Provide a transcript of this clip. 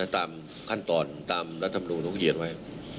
ตามขั้นตอนตามรัฐธรรมนูญต้องเขียนไว้